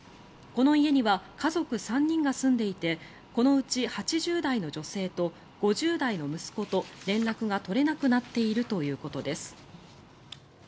この家には家族３人が住んでいてこのうち８０代の女性と５０代の息子と連絡が取れなくなっているということです。